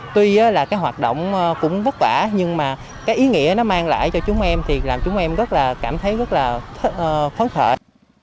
tuy là cái hoạt động cũng vất vả nhưng mà cái ý nghĩa nó mang lại cho chúng em thì làm chúng em rất là cảm thấy rất là phấn khởi